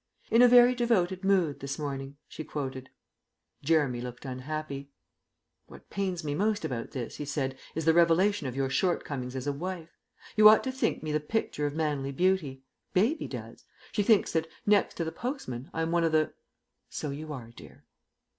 "'In a very devoted mood this morning,'" she quoted. Jeremy looked unhappy. "What pains me most about this," he said, "is the revelation of your shortcomings as a wife. You ought to think me the picture of manly beauty. Baby does. She thinks that, next to the postman, I am one of the " "So you are, dear."